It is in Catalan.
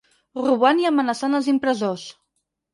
Robant i amenaçant els impressors.